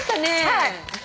はい！